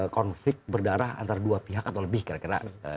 konflik berdarah antara dua pihak atau lebih kira kira